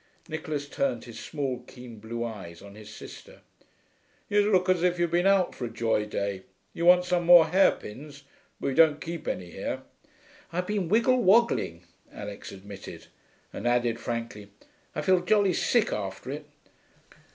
Nicholas turned his small keen blue eyes on his sister. 'You look as if you'd been out for a joy day. You want some more hairpins, but we don't keep any here.' 'I've been wiggle woggling,' Alix admitted, and added frankly, 'I feel jolly sick after it.'